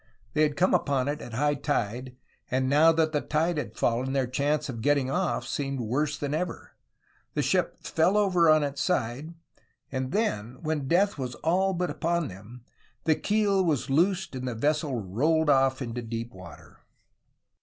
They had come upon it at high tide, and now that the tide had fallen their chance of getting off seemed worse than ever. The ship fell over on its side and then — when death was all but upon them — the keel was loosed and the vessel rolled off into deep water!